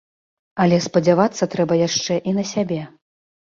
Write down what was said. Але спадзявацца трэба яшчэ і на сябе.